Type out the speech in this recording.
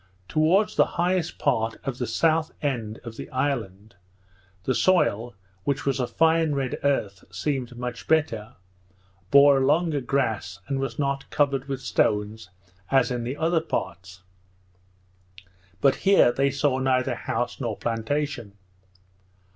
Towards the highest part of the south end of the island, the soil, which was a fine red earth, seemed much better, bore a longer grass, and was not covered with stones as in the other parts; but here they saw neither house nor plantation.